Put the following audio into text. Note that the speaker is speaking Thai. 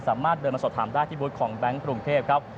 สามารถเดินมาสอบถามได้ที่บูธของแบงค์กรุงเทพครับ